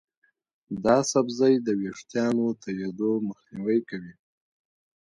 دا سبزی د ویښتانو تویېدو مخنیوی کوي.